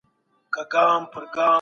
قوماندان ته د مالونو د وېش امر وسو.